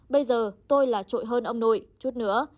bây giờ tôi là trội hơn ông nội chút nữa